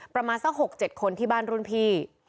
ประมาณสัก๖๗คนที่บ้านรุ่นพี่